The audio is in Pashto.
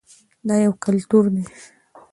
دا یو کلتور دی.